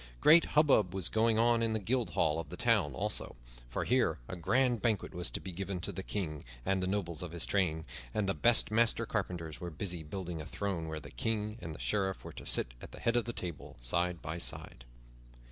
Great hubbub was going on in the Guild Hall of the town, also, for here a grand banquet was to be given to the King and the nobles of his train, and the best master carpenters were busy building a throne where the King and the Sheriff were to sit at the head of the table, side by side.